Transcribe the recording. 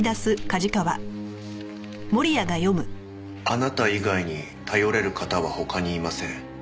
「あなた以外に頼れる方は他にいません」